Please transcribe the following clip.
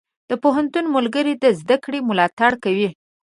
د پوهنتون ملګري د زده کړې ملاتړ کوي.